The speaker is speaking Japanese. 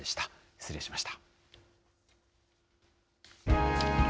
失礼しました。